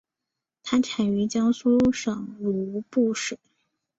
它产于江苏省如皋市。